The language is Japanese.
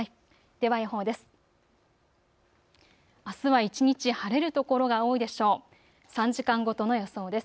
では予報です。